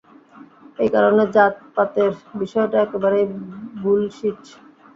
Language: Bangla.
এই কারণে জাত-পাতের বিষয়টা একেবারেই বুলশিট।